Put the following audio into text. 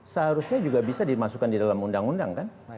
seharusnya juga bisa dimasukkan di dalam undang undang kan